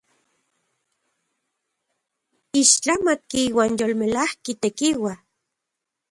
¡Ixtlamatki uan yolmelajki tekiua!